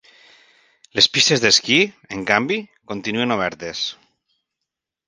Les pistes d’esquí, en canvi, continuen obertes.